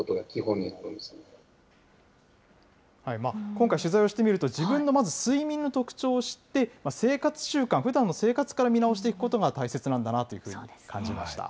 今回取材をしてみると、自分のまず睡眠の特徴を知って、生活習慣、ふだんの生活から見直していくことが大切なんだなと感じました。